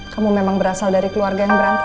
kamu memang berasal dari keluarga yang berantakan ya